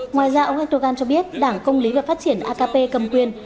ngoài ra ông erdogan cho biết đảng công lý và phát triển akp cầm quyền